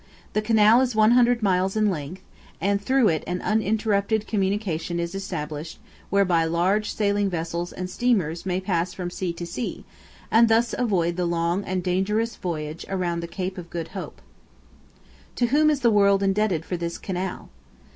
The canal is 100 miles in length, and through it an uninterrupted communication is established whereby large sailing vessels and steamers may pass from sea to sea, and thus avoid the long and dangerous voyage around the Cape of Good Hope. To whom is the world indebted for this canal?